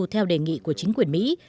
theo đề nghị của chính quyền mỹ